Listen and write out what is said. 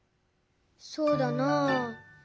そうだなあ。